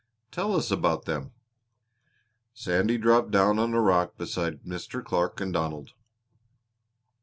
"Tell us about them." Sandy dropped down on a rock beside Mr. Clark and Donald.